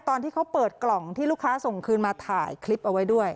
ตอนที่เขาเปิดกล่องที่ลูกค้าส่งคืนมาถ่ายคลิปเอาไว้ด้วย